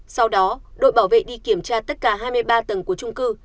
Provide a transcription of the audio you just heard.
sau đó đội bảo vệ đi kiểm tra tất cả hai mươi ba tầng của trung cư